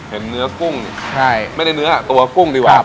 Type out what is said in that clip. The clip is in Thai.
เห็นเนื้อกุ้งไม่ได้เนื้อตัวกุ้งดีกว่า